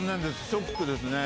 ショックですね。